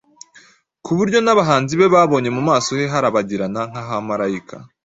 ku buryo n’abanzi be babonye mu maso he harabagirana nk’aha malayika.